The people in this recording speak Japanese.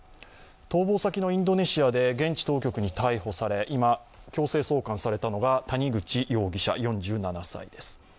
逃亡先のインドネシアで現地当局に逮捕され今、強制送還されたのが谷口容疑者４７歳です。